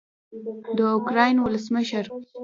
د اوکراین ولسمشر